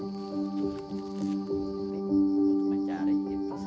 tarsius belitung diberi nama tarsius belitung